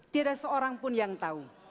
tidak ada seorang pun yang tahu